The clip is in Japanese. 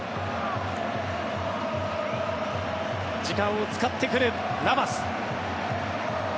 時間を使ってくるナバス。